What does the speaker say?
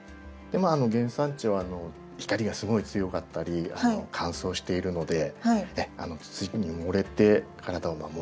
原産地は光がすごい強かったり乾燥しているので土に埋もれて体を守るっていうことですね。